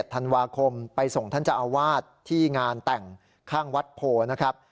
ธันวาคมไปส่งท่านเจ้าอาวาสที่งานแต่งข้างวัดโพนะครับ